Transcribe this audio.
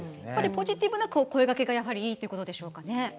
ポジティブな声がけがやはりいいってことでしょうかね。